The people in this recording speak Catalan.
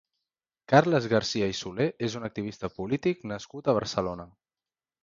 Carles Garcia i Solé és un activista polític nascut a Barcelona.